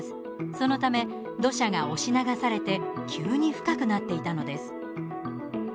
そのため、土砂が押し流されて急に深くなっていたのです。